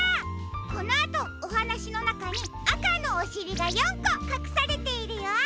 このあとおはなしのなかにあかのおしりが４こかくされているよ。